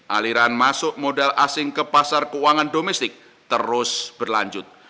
aliran masuk modal asing ke pasar keuangan domestik terus berlanjut